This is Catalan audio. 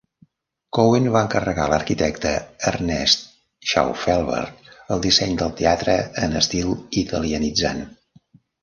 Cowen va encarregar a l'arquitecte Ernest Schaufelberg el disseny del teatre en estil italianitzant.